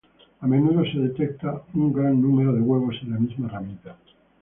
A menudo se detecta un gran número de huevos en la misma ramita.